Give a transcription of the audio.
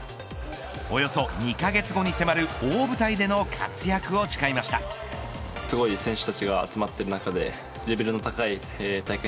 およそ２カ月後に迫る大舞台での活躍を誓いました。